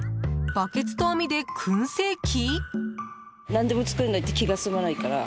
バケツと網で燻製器？